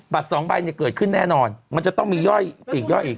สองใบเนี่ยเกิดขึ้นแน่นอนมันจะต้องมีย่อยปีกย่อยอีก